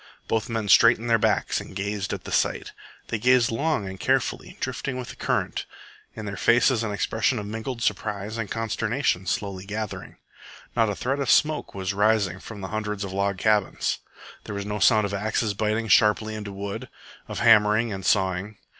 Both men straightened their backs and gazed at the sight. They gazed long and carefully, drifting with the current, in their faces an expression of mingled surprise and consternation slowly gathering. Not a thread of smoke was rising from the hundreds of log cabins. There was no sound of axes biting sharply into wood, of hammering and sawing.